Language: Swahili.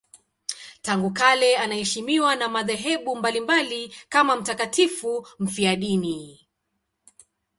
Tangu kale anaheshimiwa na madhehebu mbalimbali kama mtakatifu mfiadini.